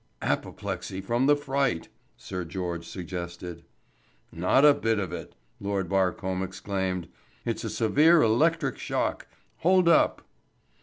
"Apoplexy from the fright," Sir George suggested. "Not a bit of it," Lord Barcombe exclaimed, "It's a severe electric shock. Hold up."